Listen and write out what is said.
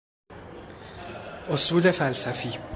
اصول فلسفی